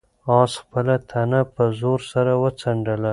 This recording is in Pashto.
آس خپله تنه په زور سره وڅنډله.